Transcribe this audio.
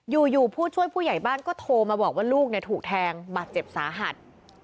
อยู่ผู้ช่วยผู้ใหญ่บ้านก็โทรมาบอกว่าลูกถูกแทงบาดเจ็บสาหัส